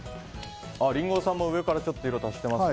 リンゴさんも上から色足してますね。